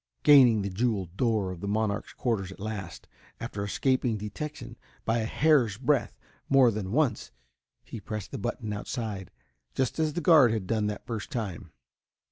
Gaining the jewelled door of the monarch's quarters at last, after escaping detection by a hair's breadth more than once, he pressed the button outside, just as the guard had done that first time.